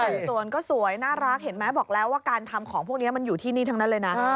แต่งสวนก็สวยน่ารักเห็นไหมบอกแล้วว่าการทำของพวกนี้มันอยู่ที่นี่ทั้งนั้นเลยนะ